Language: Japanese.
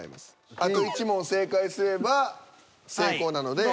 あと１問正解すれば成功なので。